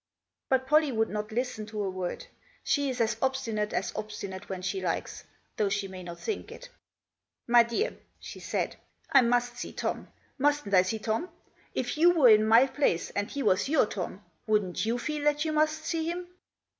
But Pollie would not listen to a word. She is as obstinate as obstinate when she likes, though she may not think it. " My dear," she said, " I must see Tom. Mustn't I see Tom ? If you were in my place, and he was your Tom, wouldn't you feel that you must see him